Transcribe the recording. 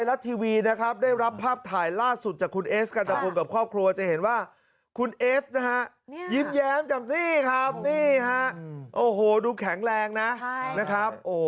โอ้โหดูแข็งแรงนะนะครับ